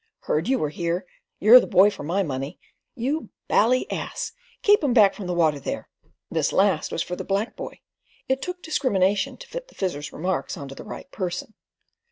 "Heard you were here. You're the boy for my money. You BALLY ass! Keep 'em back from the water there." This last was for the black boy. It took discrimination to fit the Fizzer's remarks on to the right person.